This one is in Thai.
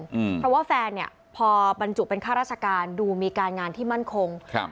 อืมเพราะว่าแฟนเนี้ยพอบรรจุเป็นข้าราชการดูมีการงานที่มั่นคงครับ